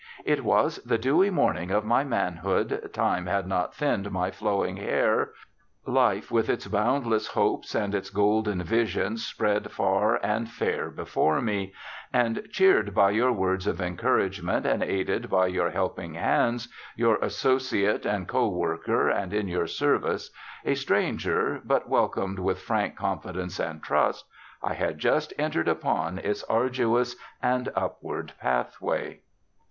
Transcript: * It was the dewy morning of my manhood ;" time had not thinned my flowing hair"; life, with its bound less hopes and its golden visions, spread far and fair before me ; and cheered by your words of encourage ment, and aided by your helping hands — your associate and co worker, and in your service ; a stranger, but welcomed with frank confidence and trust — I had just entered upon its arduous and upward pathway.'